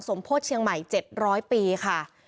โภษเชียงใหม่๗๐๐ปีค่ะ